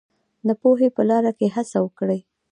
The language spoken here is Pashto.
د پوهې په لار کې هڅه وکړئ.